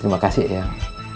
terima kasih eyang